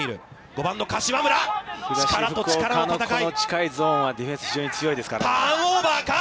この近いゾーンはディフェンスが非常に強いですからね。